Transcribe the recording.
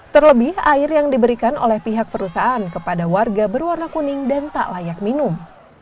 terlebih air yang diberikan oleh pihak perusahaan kepada warga berwarna kuning dan tak layak minum